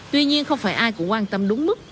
tuy nhiên không phải ai cũng quan tâm đúng mức